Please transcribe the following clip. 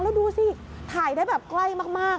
แล้วดูสิถ่ายได้แบบใกล้มาก